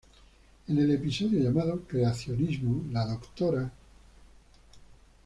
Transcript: En el episodio llamado "Creacionismo" la Dra.